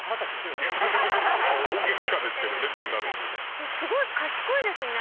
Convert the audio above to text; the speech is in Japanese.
でもすごい賢いですね。